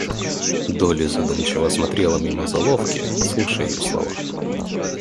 Долли задумчиво смотрела мимо золовки, слушая ее слова.